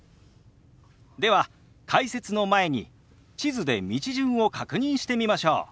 では解説の前に地図で道順を確認してみましょう。